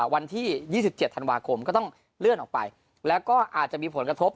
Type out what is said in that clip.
วันที่๒๗ธันวาคมก็ต้องเลื่อนออกไปแล้วก็อาจจะมีผลกระทบ